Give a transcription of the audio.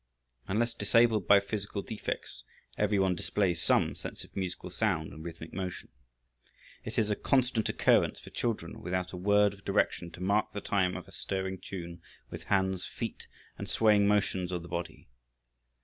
Unless disabled by physical defects, every one displays some sense of musical sound and rhythmic motion. It is a constant occurrence for children, without a word of direction, to mark the time of a stirring tune with hands, feet and swaying motions of the body.